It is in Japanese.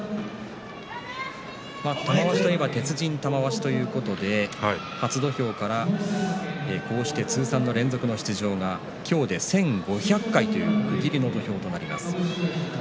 玉鷲といえば鉄人玉鷲ということで初土俵から通算の連続出場が今日で１５００回と区切りの土俵になります。